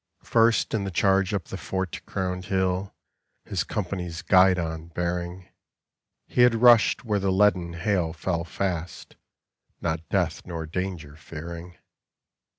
First in the charge up the fort crowned hill, His company's guidon bearing, He had rushed where the leaden hail fell fast, Not death nor danger fearing.